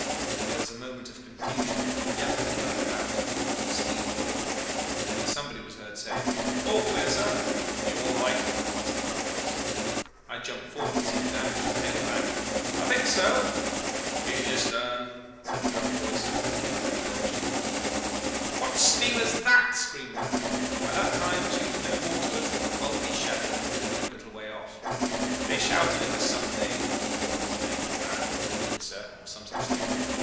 There was a moment of confusion, yelling, and running about. Steam roared. Then somebody was heard saying, 'All clear, sir.'... 'Are you all right?' asked the gruff voice. I had jumped forward to see the damage, and hailed back, 'I think so.' 'Easy astern,' said the gruff voice. A bell jingled. 'What steamer is that?' screamed Mahon. By that time she was no more to us than a bulky shadow maneuvering a little way off. They shouted at us some name a woman's name, Miranda or Melissa or some such thing.